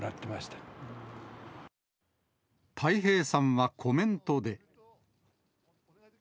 たい平さんはコメントで。